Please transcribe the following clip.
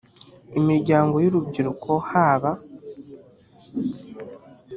imiryango y urubyiruko haba